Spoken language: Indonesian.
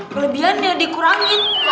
kelebihan yang dikurangin